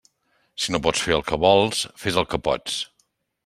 Si no pots fer el que vols, fes el que pots.